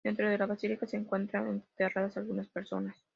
Dentro de la basílica se encuentran enterradas algunas personas.